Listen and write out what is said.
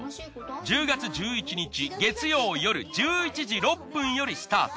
１０月１１日月曜夜１１時６分よりスタート。